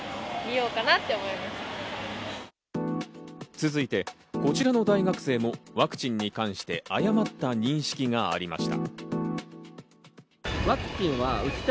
続いてこちらの大学生もワクチンに関して誤った認識がありました。